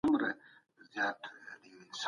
ایا پخوا په دومره لویه کچه کارونه سوي وو؟